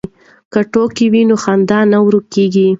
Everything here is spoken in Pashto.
که ټوکې وي نو خندا نه ورکېږي.